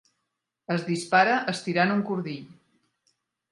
Es dispara estirant un cordill